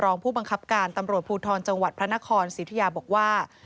รองผู้บังคับการตำรวจภูทรจังหวัดพระนครสิทธิยาบอกว่า